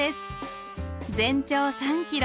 全長３ｋｍ。